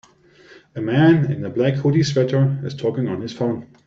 A man in a black hoodie sweater is talking on this phone.